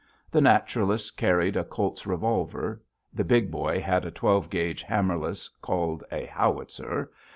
The naturalist carried a Colt's revolver; the Big Boy had a twelve gauge hammerless, called a "howitzer."